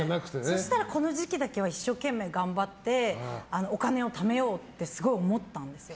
そうしたら、この時期だけは一生懸命頑張ってお金をためようってすごい思ったんですよ。